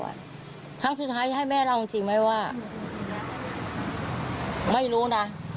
ครั้งสุดท้ายให้แม่ร่วมจริงไม่รู้นะ